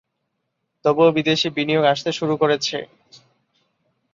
তবুও বিদেশি বিনিয়োগ আসতে শুরু করেছে।